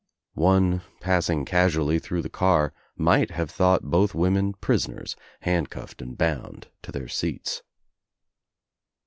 One passing casually through the car might have thought both women prisoners handcuffed and bound to their seats.